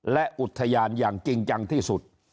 และอุทยานอย่างจริงจังที่สุด